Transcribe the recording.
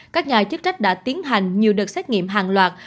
các nhà chức trách đã tiến hành nhiều đợt xét nghiệm hàng loạt